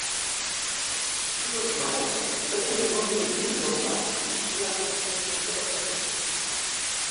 Dues mares passegen els seus fills al parc durant el començament de la tardor